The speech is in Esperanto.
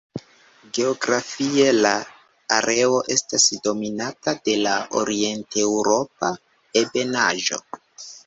Geografie, la areo estas dominata de la Orienteŭropa ebenaĵo.